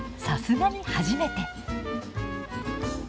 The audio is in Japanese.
さすがに初めて。